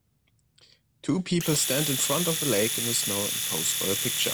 Two people stand in front of a lake in the snow and pose for a picture.